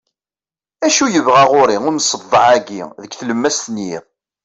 acu yebɣa ɣur-i umseḍḍeɛ-agi deg tlemmast n yiḍ